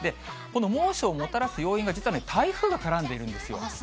この猛暑をもたらす要因が、実は台風が絡んでいるんですよ。